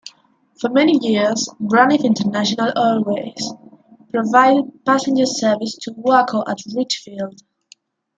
For many years Braniff International Airways provided passenger service to Waco at Rich Field.